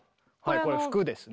これは服ですね。